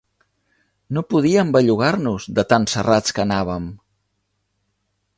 No podíem bellugar-nos de tan serrats que anàvem.